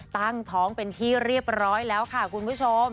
ตั้งท้องเป็นที่เรียบร้อยแล้วค่ะคุณผู้ชม